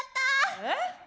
えっ？